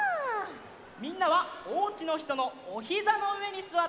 みんなはおうちのひとのおひざのうえにすわってください。